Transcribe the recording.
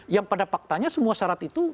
yang pada faktanya semua syarat itu